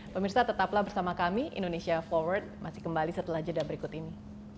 pemirsa tetaplah bersama kami indonesia forward masih kembali setelah jeda berikut ini